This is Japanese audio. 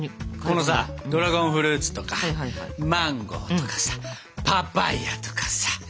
このさドラゴンフルーツとかマンゴ−とかさパパイアとかさ。